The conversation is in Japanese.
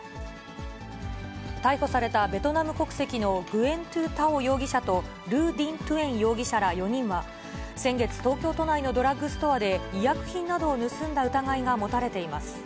逮捕されたベトナム国籍のグエン・トゥ・タオ容疑者と、ルー・ディン・トゥエン容疑者ら４人は、先月、東京都内のドラッグストアで医薬品などを盗んだ疑いが持たれています。